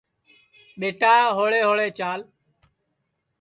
ٻیٹا ہوݪے ہوݪے چال